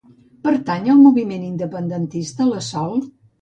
Pertany al moviment independentista la Sol?